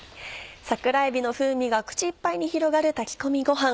桜えびの風味が口いっぱいに広がる炊き込みご飯。